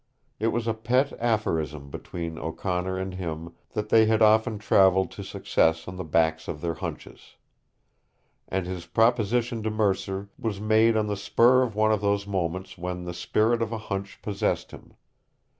It was a pet aphorism between O'Connor and him that they had often traveled to success on the backs of their hunches. And his proposition to Mercer was made on the spur of one of those moments when the spirit of a hunch possessed him.